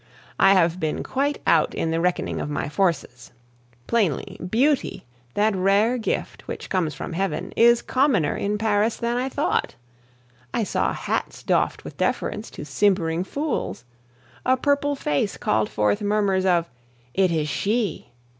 I have been quite out in the reckoning of my forces. Plainly, beauty, that rare gift which comes from heaven, is commoner in Paris than I thought. I saw hats doffed with deference to simpering fools; a purple face called forth murmurs of, "It is she!"